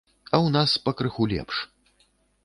А ў нас пакрыху лепш.